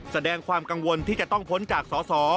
แสดงความกังวลที่จะต้องพ้นจากสอสอ